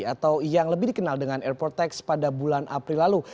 atau yang lebih dikenal dengan airport tax pada bulan april lalu